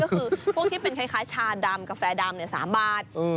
ก็คือพวกที่เป็นคล้ายคล้ายชาดำกาแฟดำเนี่ยสามบาทอืม